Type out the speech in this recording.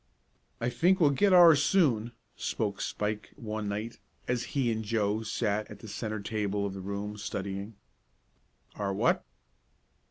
"I think we'll get ours soon," spoke Spike one night, as he and Joe sat at the centre table of the room, studying. "Our what?"